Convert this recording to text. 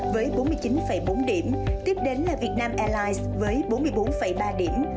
với bốn mươi chín bốn điểm tiếp đến là việt nam airlines với bốn mươi bốn ba điểm